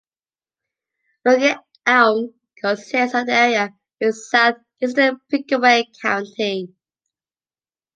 Logan Elm consists of the area in Southeastern Pickaway County.